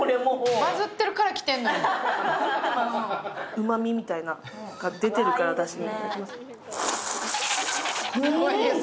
うまみみたいのが出てるから、だしに。